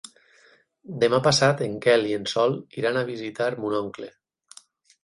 Demà passat en Quel i en Sol iran a visitar mon oncle.